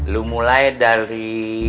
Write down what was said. lu mulai dari